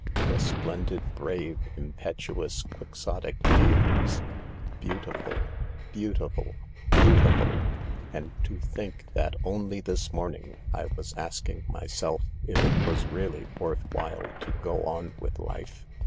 " The splendid, brave, impetuous, quixotic dears ! Beautiful, beautiful, beautiful I And to think that only this morning I was asking myself if it was really worth while to go on with life.